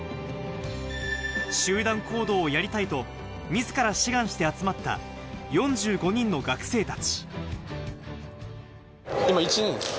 集団行動をやりたいとみずから志願して集まった４５人の学生たち。